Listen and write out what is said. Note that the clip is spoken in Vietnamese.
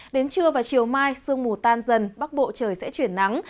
đến trưa và chiều mai sương mù tan dần bắc bộ trời sẽ chuyển nắng